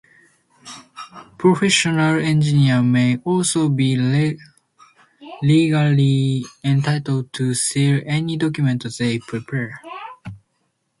Professional engineers may also be legally entitled to seal any document they prepare.